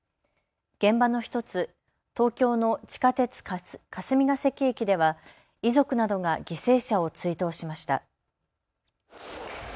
現場の１つ、東京の地下鉄霞ケ関駅では遺族などが犠牲者を追悼しました。